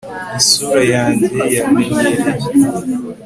isura yanjye yamenyereye